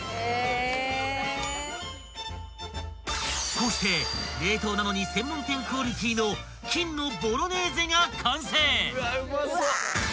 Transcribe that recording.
［こうして冷凍なのに専門店クオリティーの金のボロネーゼが完成］